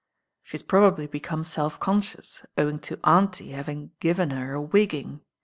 ^ "She's probably become seIf<onscious owing to auimehavmg given her a wigging.